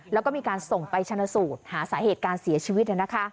แล้วก็มีการส่งไปชนะสูตรหาสาเหตุการเสียชีวิต